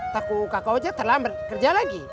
takut kakak oja terlambat kerja lagi